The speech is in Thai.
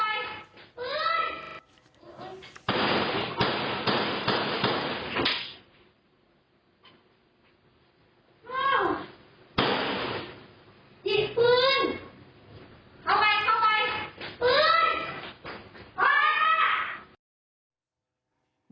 เอาไปค่ะ